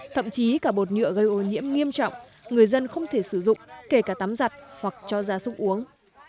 thậm chí cả bột nhựa gây ô nhiễm nghiêm trọng người dân không thể sử dụng kể cả tắm giặt hoặc cho ra súc uống